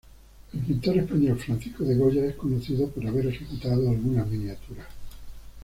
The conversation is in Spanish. El pintor español Francisco de Goya es conocido por haber ejecutado algunas miniaturas.